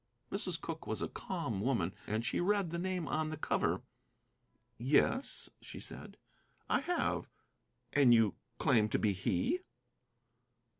Mrs. Cooke was a calm woman, and she read the name on the cover. "Yes," she said, "I have. And you claim to be he?"